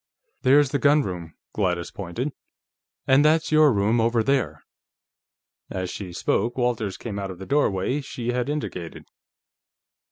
"There's the gunroom." Gladys pointed. "And that's your room, over there." As she spoke, Walters came out of the doorway she had indicated.